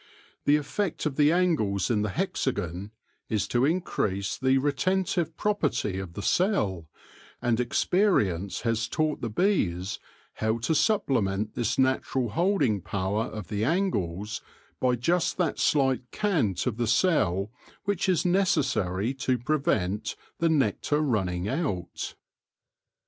The effect of the angles in the hexagon is to increase the retentive property of the cell, and experience has taught the bees how to supplement this natural holding power of the angles by just that slight cant of the cell which is necessary to prevent the nectar running out.